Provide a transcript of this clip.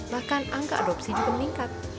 bahkan angka adopsi juga meningkat